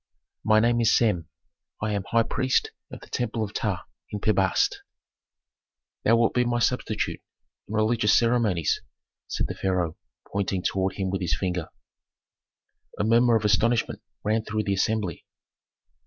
"My name is Sem; I am high priest of the temple of Ptah in Pi Bast." "Thou wilt be my substitute in religious ceremonies," said the pharaoh, pointing toward him with his finger. A murmur of astonishment ran through the assembly.